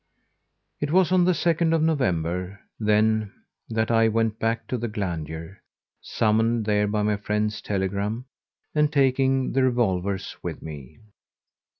It was on the 2nd of November, then, that I went back to the Glandier, summoned there by my friend's telegram, and taking the revolvers with me.